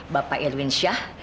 bapak irwin syah